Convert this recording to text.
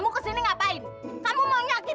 kamu kesini ngapain